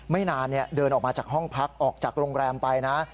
ไม่นานเดินออกมาจากห้องพักออกจากโรงแรมไปนะ